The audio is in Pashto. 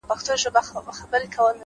ه زړه مي په سينه كي ساته؛